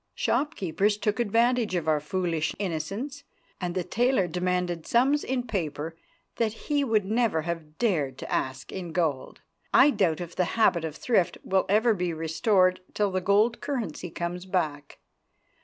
Shopkeepers took advantage of our foolish innocence, and the tailor demanded sums in paper that he would never have dared to ask in gold. I doubt if the habit of thrift will ever be restored till the gold currency comes back.